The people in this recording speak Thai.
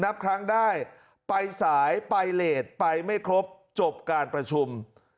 นับครั้งได้ไปสายไปเลสไปไม่ครบจบการประชุม